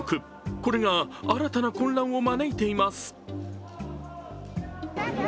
これが新たな混乱を招いています。